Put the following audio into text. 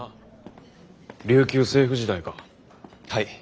琉球政府時代か。